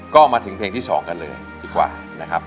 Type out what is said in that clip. ก็มาถึงเพลงที่๒กันเลยดีกว่านะครับ